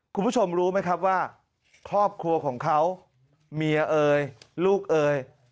คุณผู้ชมรู้ไหมครับว่าครอบครัวของเขาเมียเอ่ยลูกเอ่ย